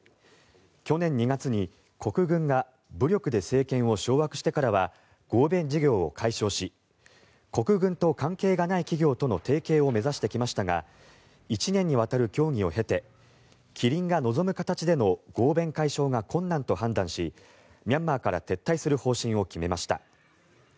去年２月に国軍が武力で政権を掌握してからは合弁事業を解消し国軍と関係がない企業との提携を目指してきましたが１年にわたる協議を経てキリンが望む形での合弁解消が困難と判断しミャンマーから撤退する方針を決めました。